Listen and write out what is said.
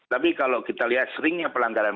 tapi kalau kita lihat seringnya pelanggaran